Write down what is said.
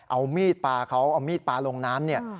เอามีดปลาเขาเอามีดปลาลงน้ำเนี่ย